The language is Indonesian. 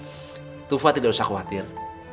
tufa tufa tidak usah khawatir